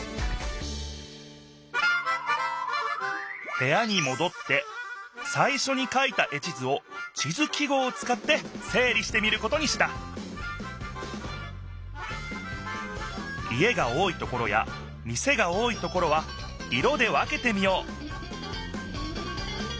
へやにもどってさいしょに書いた絵地図を地図記号をつかってせい理してみることにした家が多いところや店が多いところは色で分けてみよう！